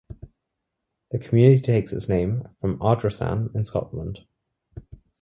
The community takes its name from Ardrossan, in Scotland.